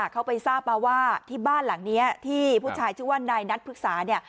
เขาไปทราบมาว่าที่บ้านหลังนี้ที่ผู้ชายชื่อว่านายนัทพฤกษาเนี่ย